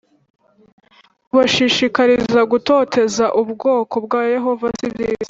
kubashishikariza gutoteza ubwoko bwa Yehova si byiza